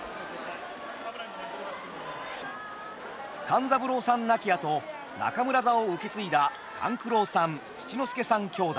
勘三郎さん亡き後中村座を受け継いだ勘九郎さん七之助さん兄弟。